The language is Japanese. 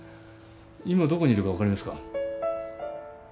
今どこにいるか分かりますか？